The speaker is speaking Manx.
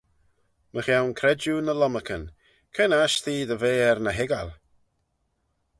Mychione credjue ny lomarcan, cre'n aght t'eh dy ve er ny hoiggal?